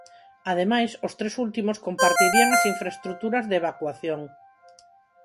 Ademais, os tres últimos compartirían as infraestruturas de evacuación.